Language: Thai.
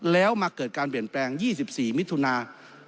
แล้วมาเกิดการเปลี่ยนแปลง๒๔มิถุนา